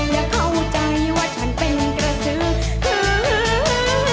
อย่าเข้าใจว่าฉันเป็นกระสืบฮือฮือฮือ